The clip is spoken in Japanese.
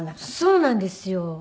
そうなんですよ。